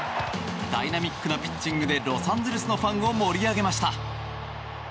ダイナミックなピッチングでロサンゼルスのファンを盛り上げました。